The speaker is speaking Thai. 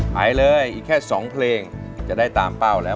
ไปเลยอีกแค่๒เพลงจะได้ตามเป้าแล้ว